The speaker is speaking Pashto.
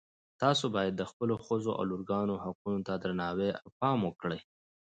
تاسو باید د خپلو ښځو او لورګانو حقونو ته درناوی او پام وکړئ